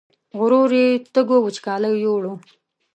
غرور یې تږو وچکالیو یووړ